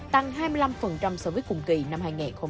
tăng hai mươi năm so với cùng kỳ năm hai nghìn hai mươi ba